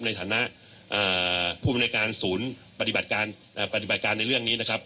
ในฐานะผู้บริการศูนย์ปฏิบัติการในเรื่องนี้นะครับ